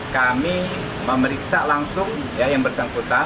kami memeriksa langsung yang bersangkutan